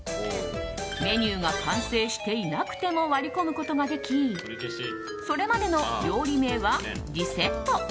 メニューが完成していなくても割り込むことができそれまでの料理名はリセット。